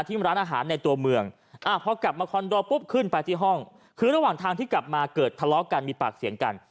ร้านอาหารในตัวเมืองอ่าพอกลับมาคอนโดปุ๊บขึ้นไปที่ห้องคือระหว่างทางที่กลับมาเกิดทะเลาะกันมีปากเสียงกัน